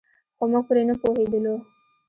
خو موږ پرې نه پوهېدلو.